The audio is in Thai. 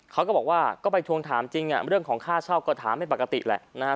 เขาก็บอกว่าก็ไปทวงถามจริงเรื่องของค่าเช่าก็ถามไม่ปกติแหละนะฮะ